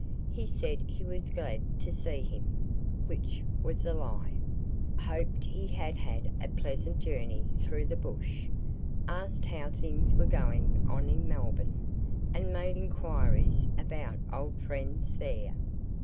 He said he was glad to see him (which was a lie), hoped he had had a pleasant journey through the bush; asked how things were going on in Melbourne, and made enquiries about old friends there.